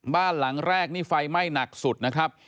บ้านหลังแรกนี่ไฟไหม้หนักสุดนะครับ